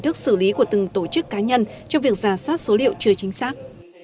thức xử lý của từng tổ chức cá nhân trong việc giả soát số liệu chưa chính xác